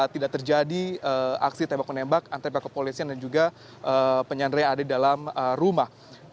tidak terjadi aksi tembak menembak antara pihak kepolisian dan juga penyandera yang ada di dalam rumah